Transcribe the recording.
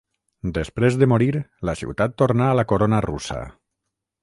Després de morir, la ciutat tornà a la corona russa.